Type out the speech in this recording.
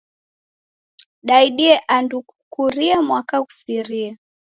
Daidie andu kukurie mwaka ghusirie.